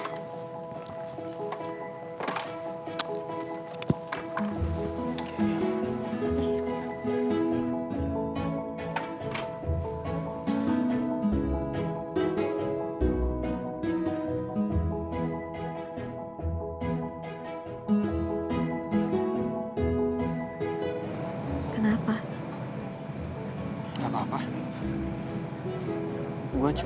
kita bersama yang berkuasa